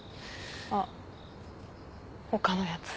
あっ他のやつ。